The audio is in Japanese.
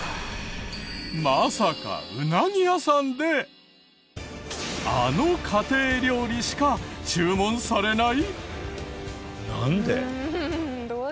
まさかウナギ屋さんであの家庭料理しか注文されない？